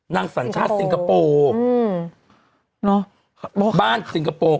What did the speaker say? นางสัญชาติสิงคโปร์บ้านสิงคโปร์